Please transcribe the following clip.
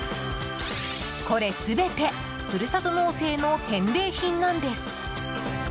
これ、全てふるさと納税の返礼品なんです。